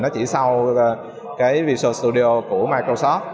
nó chỉ sau visual studio của microsoft